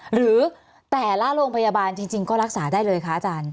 หรือแต่ละโรงพยาบาลจริงก็รักษาได้เลยคะอาจารย์